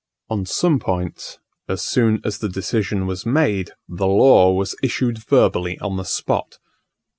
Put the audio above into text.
On some points, as soon as the decision was made, the law was issued verbally on the spot.